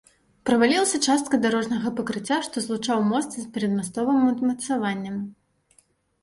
Правалілася частка дарожнага пакрыцця, што злучаў мост з перадмастовым умацаваннем.